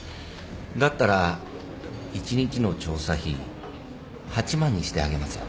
だったら１日の調査費８万にしてあげますよ。